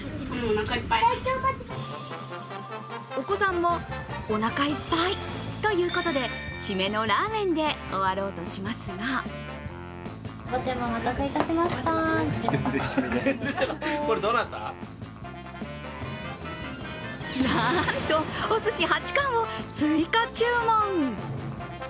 お子さんもおなかいっぱいということで、シメのラーメンで終わろうとしますがなんと、おすし８貫を追加注文。